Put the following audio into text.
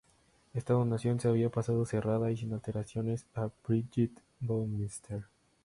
Esta donación se había pasado "cerrada y sin alteraciones" a Brigitte Baumeister.